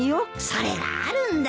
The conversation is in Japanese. それがあるんだ。